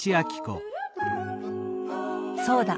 そうだ！